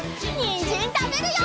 にんじんたべるよ！